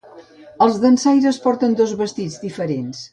Els dansaires porten dos vestits diferents.